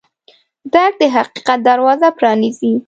درک د حقیقت دروازه پرانیزي.